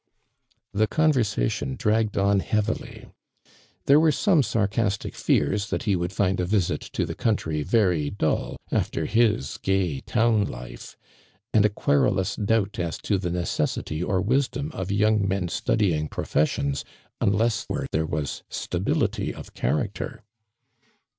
The conversation dragged on heavily. There were some sarcastic fears that he would find a visit to the country very dull after his gay town life, and a querulous <loubt as to the necessity or wisdom of young men studying professions unless where there was stability of character.